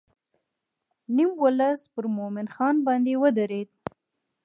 نیم ولس پر مومن خان باندې ودرېد.